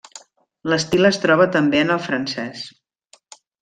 L'estil es troba també en el francès.